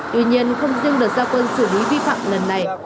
tuy nhiên không riêng đợt giao cơn xử lý vi phạm lần này